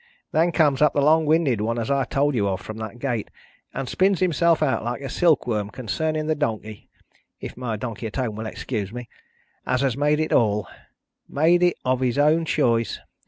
Then comes up the long winded one as I told you of, from that gate, and spins himself out like a silkworm concerning the Donkey (if my Donkey at home will excuse me) as has made it all made it of his own choice!